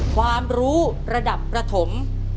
ความรู้ระดับประถม